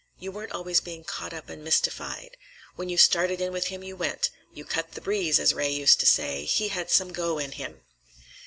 You weren't always being caught up and mystified. When you started in with him, you went; you cut the breeze, as Ray used to say. He had some go in him.